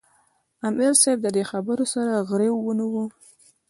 " امیر صېب د دې خبرو سره غرېو ونیوۀ ـ